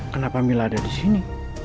kenapa mila ada di sini